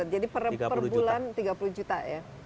per bulan tiga puluh juta ya